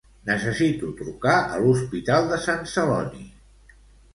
Necessito trucar a l'Hospital de Sant Celoni.